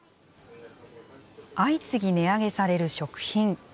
相次ぎ値上げされる食品。